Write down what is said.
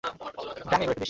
ওখানেই থাকো, আমি আসছি।